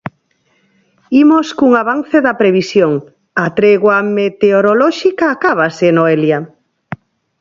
Imos cun avance da previsión, a tregua meteorolóxica acábase, Noelia!